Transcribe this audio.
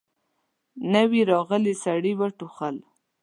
نوي راغلي سړي وټوخل.